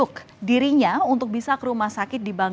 bartender bertanda total yang d